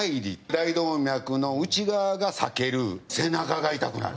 大動脈の内側が裂ける、背中が痛くなる。